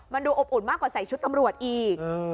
มันดูอบอุ่นมากกว่าใส่ชุดตำรวจอีก